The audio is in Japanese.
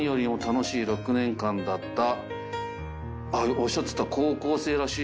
おっしゃってた。